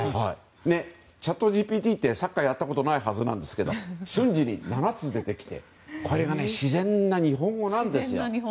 チャットＧＰＴってサッカーをやったことないはずなんですけど瞬時に７つ出てきてこれが自然な日本語なんです。